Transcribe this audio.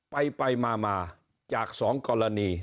ไปไปมามาจากสองกรณี